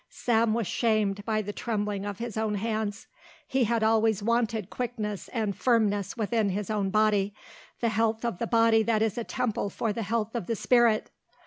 Sam was shamed by the trembling of his own hands. He had always wanted quickness and firmness within his own body, the health of the body that is a temple for the health of the spirit.